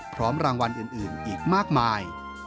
พร้อมรางวัลอื่นอีกมากมาย